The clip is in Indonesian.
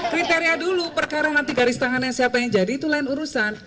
kriteria dulu perkara nanti garis tangannya siapa yang jadi itu lain urusan